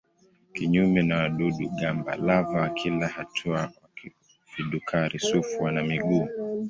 Kinyume na wadudu-gamba lava wa kila hatua wa vidukari-sufu wana miguu.